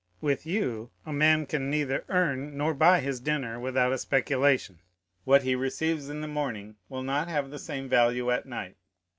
With you a man can neither earn nor buy his dinner without a speculation. What he receives in the morning will not have the same value at night.